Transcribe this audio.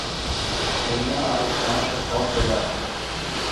: دنیا آج اسلام سے خوف زدہ ہے۔